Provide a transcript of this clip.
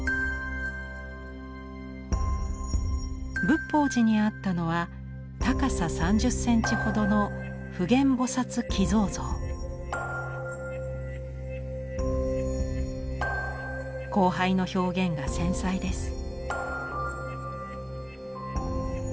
仏法寺にあったのは高さ３０センチほどの光背の表現が繊細です。